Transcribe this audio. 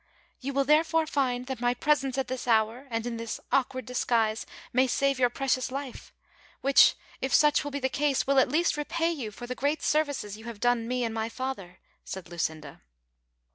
You will, therefore, find that my presence at this hour, and in this awkward disguise, may save your precious life, Avhich, if such Avill be the case, will at least repay you for the great services you have done me and my father," said Lucinda.